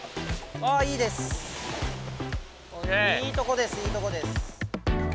いいとこですいいとこです。